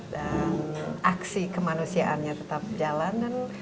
dan aksi kemanusiaannya tetap jalan